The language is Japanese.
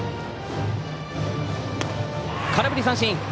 空振り三振！